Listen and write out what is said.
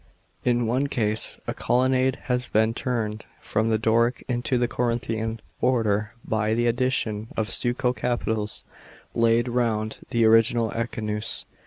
In one case a colonnade has been "turned from the Doric into the Corinthian order by the addition of stucco capitals laid round the original echinus."